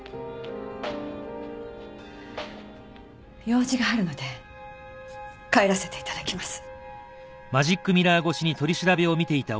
用事があるので帰らせて頂きます。